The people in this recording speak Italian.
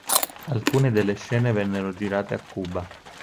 Alcune delle scene vennero girate a Cuba.